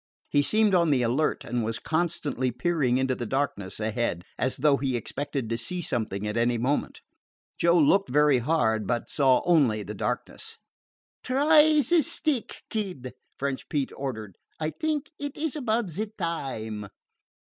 He seemed on the alert, and was constantly peering into the darkness ahead as though he expected to see something at any moment. Joe looked very hard, but saw only the darkness. "Try ze stick, Kid," French Pete ordered. "I t'ink it is about ze time."